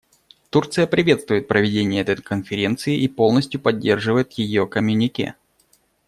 Турция приветствует проведение этой конференции и полностью поддерживает ее коммюнике.